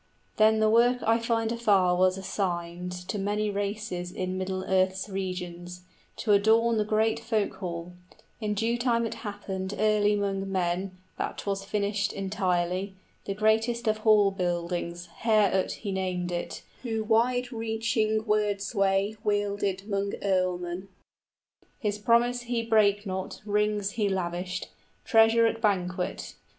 Then the work I find afar was assigned To many races in middle earth's regions, To adorn the great folk hall. In due time it happened Early 'mong men, that 'twas finished entirely, 25 The greatest of hall buildings; Heorot he named it {The hall is completed, and is called Heort, or Heorot.} Who wide reaching word sway wielded 'mong earlmen. His promise he brake not, rings he lavished, Treasure at banquet.